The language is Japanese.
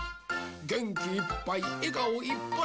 げんきいっぱいえがおいっぱい